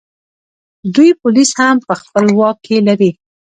دوی پولیس هم په خپل واک کې لري